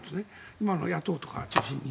今の野党とかを中心に。